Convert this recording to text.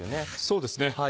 そうですね